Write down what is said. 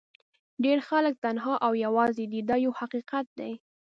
ډېر خلک تنها او یوازې دي دا یو حقیقت دی.